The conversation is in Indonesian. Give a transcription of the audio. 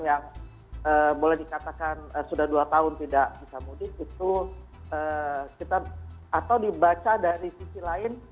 yang boleh dikatakan sudah dua tahun tidak bisa mudik itu kita atau dibaca dari sisi lain